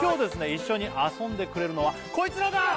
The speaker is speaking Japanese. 一緒に遊んでくれるのはコイツらだ！